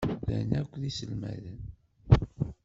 Llan akk d iselmaden.